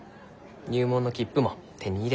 入門の切符も手に入れたきね。